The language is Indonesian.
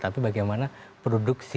tapi bagaimana produksi